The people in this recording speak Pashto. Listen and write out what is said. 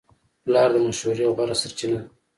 پلار د مشورې غوره سرچینه ده.